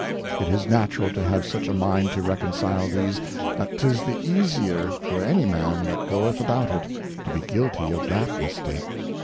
It is natural to have such a Mind to reconcile these, that 'tis the easier for any Man that goeth about it, to be guilty of that Mistake.